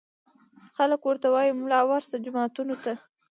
خلک ورته وايي ملا ورشه جوماتونو ته